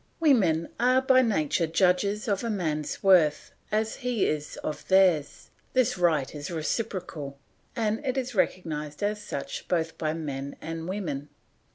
Women are by nature judges of a man's worth, as he is of theirs; this right is reciprocal, and it is recognised as such both by men and women.